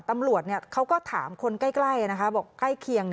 ตำรวจเขาก็ถามคนใกล้นะคะบอกใกล้เคียง